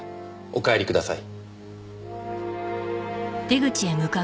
お帰りください。